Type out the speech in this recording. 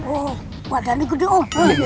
oh badannya gede om